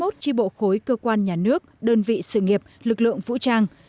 sáu mươi một tri bộ khối cơ quan nhà nước đơn vị sự nghiệp lực lượng vũ trang